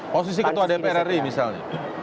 posisi ketua dpr ri misalnya